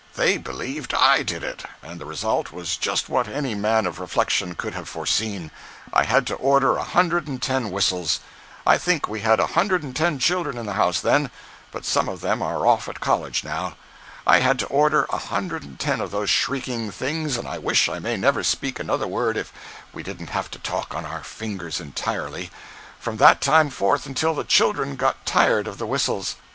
They believed I did it, and the result was just what any man of reflection could have foreseen: I had to order a hundred and ten whistles—I think we had a hundred and ten children in the house then, but some of them are off at college now—I had to order a hundred and ten of those shrieking things, and I wish I may never speak another word if we didn't have to talk on our fingers entirely, from that time forth until the children got tired of the whistles.